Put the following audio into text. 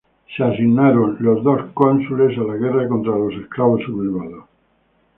Los dos cónsules fueron asignados a la guerra contra los esclavos sublevados.